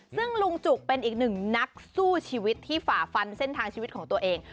ซึ่งลุงจุกเป็นอีกหนึ่งนักสู้ชีวิตที่ฝ่าฟันเส้นทางชีวิตของตัวเอง